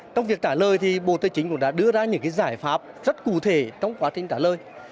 trong việc trả lời thì bộ tài chính cũng đã đưa ra những giải pháp rất cụ thể trong quá trình trả lời